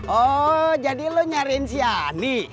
oh jadi lo nyariin si ani